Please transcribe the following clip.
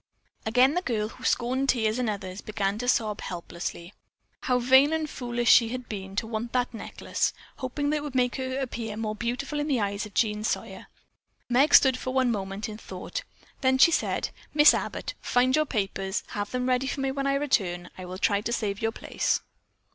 Again the girl, who scorned tears in others, began to sob helplessly. How vain and foolish she had been to want that necklace, hoping that it would make her appear more beautiful in the eyes of Jean Sawyer. Meg stood for one moment deep in thought. Then she said: "Miss Abbott, find your papers. Have them ready for me when I return. I'll try to save your place."